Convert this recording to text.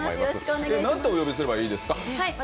何とお呼びすればいいですか？